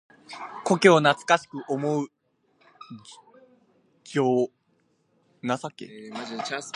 故郷を懐かしく思う情。